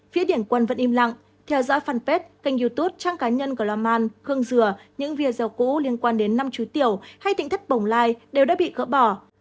phía điển quân vẫn im lặng theo dõi fanpage kênh youtube trang cá nhân của loanman khương dừa những video cũ liên quan đến năm chú tiểu hay tỉnh thất bồng lai đều đã bị gỡ bỏ